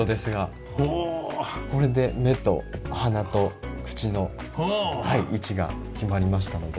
これで目と鼻と口の位置が決まりましたので。